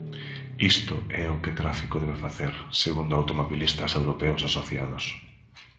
Isto é o que Tráfico debe facer, segundo Automobilistas Europeos Asociados.